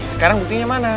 sekarang buktinya mana